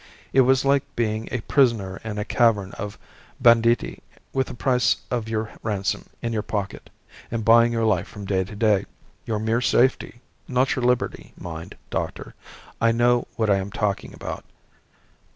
It was like being a prisoner in a cavern of banditti with the price of your ransom in your pocket, and buying your life from day to day. Your mere safety, not your liberty, mind, doctor. I know what I am talking about.